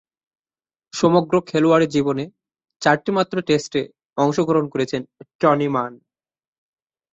সমগ্র খেলোয়াড়ী জীবনে চারটিমাত্র টেস্টে অংশগ্রহণ করেছেন টনি মান।